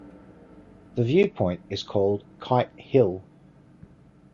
The view point is called Kite Hill.